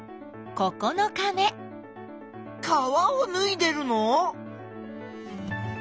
かわをぬいでるの？